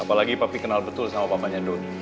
apalagi papi kenal betul sama papanya donny